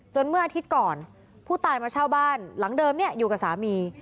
เมื่ออาทิตย์ก่อนผู้ตายมาเช่าบ้านหลังเดิมอยู่กับสามี